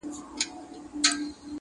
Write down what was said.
چي مهم دی په جهان کي.